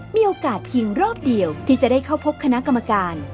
มีโอกาสเพียงรอบเดียวที่จะได้เข้าพบคณะกรรมการ